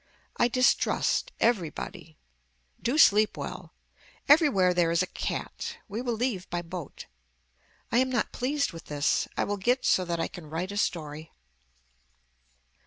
I distrust everybody. Do sleep well. Everywhere there is a cat. We will leave by boat. I am not pleased with this. I will get so that I can write a story.